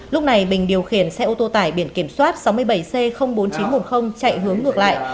lúc này bình điều khiển xe ô tô tải biển kiểm soát sáu mươi bảy c bốn nghìn chín trăm một mươi chạy hướng ngược lại